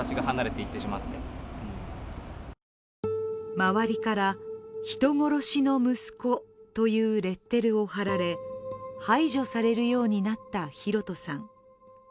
周りから人殺しの息子というレッテルを貼られ排除されるようになった寛人さん。